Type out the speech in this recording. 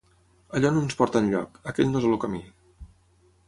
Allò no ens porta enlloc, aquell no és el camí.